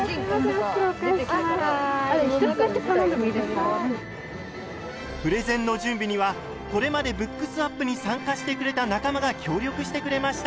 袋お返ししますプレゼンの準備にはこれまでＢｏｏｋｓｗａｐに参加してくれた仲間が協力してくれました。